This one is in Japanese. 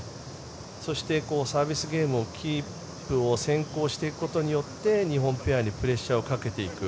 そしてサービスゲームをキープを先行していくことによって日本ペアにプレッシャーをかけていく。